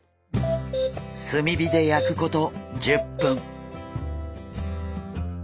炭火で焼くこと１０分。